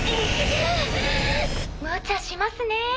むちゃしますねぇ。